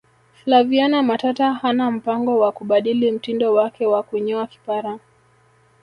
flaviana matata hana mpango wa kubadili mtindo wake wa kunyoa kipara